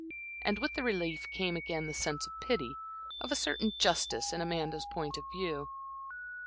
And with the relief came again the sense of pity, of a certain justice in Amanda's point of view.